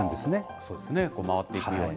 そうですね、回っていくように。